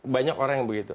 banyak orang yang begitu